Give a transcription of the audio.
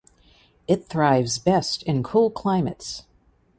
It thrives best in cool climates.